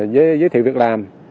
giới thiệu việc làm